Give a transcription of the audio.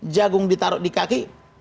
jagung ditaruh di kaki